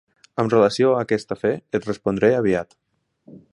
Amb relació a aquest afer, et respondré aviat.